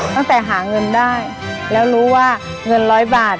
ตั้งแต่หาเงินได้แล้วรู้ว่าเงินร้อยบาท